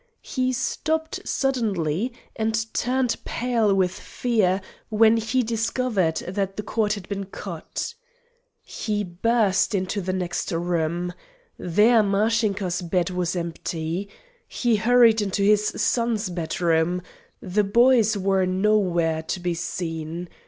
He stopped suddenly and turned pale with fear when he discovered that the cord had been cut. [Illustration: "The cord had been cut"] He burst into the next room. There Mashinka's bed was empty. He hurried into his son's bedroom. The boys were nowhere to be seen.